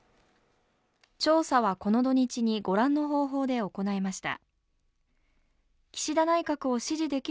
調査はこの土日にご覧の方法で行いました。